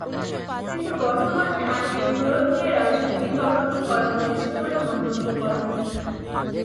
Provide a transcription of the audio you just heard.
কিন্তু বর্তমানে আইনের প্রয়োগকে রাজনৈতিকীকরণ করা হয়েছে বলে মন্তব্য করেন তিনি।